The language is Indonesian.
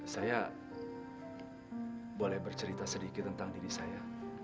saya boleh bercerita sedikit tentang diri saya